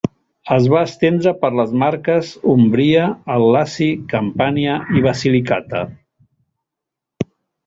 Es van estendre per les Marques, Úmbria, el Laci, Campània i Basilicata.